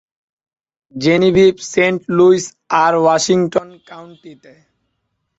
Genevieve, Saint Louis, আর Washington কাউন্টিতে।